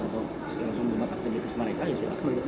atau langsung buat aktivitas mereka ya silahkan